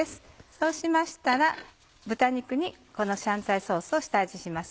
そうしましたら豚肉にこの香菜ソースを下味します。